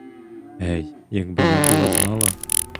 Гей, якби я була знала!